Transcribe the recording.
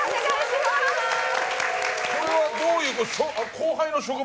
これはどういう。